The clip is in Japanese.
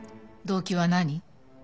動機は何？